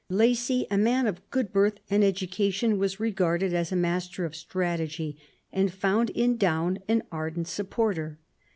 Lacy, a man of good birth and educa tion, was regarded as a master of strategy, and found in Daun an ardent supporter.